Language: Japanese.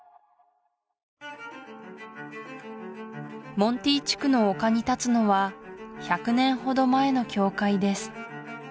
モンティ地区の丘に立つのは１００年ほど前の教会です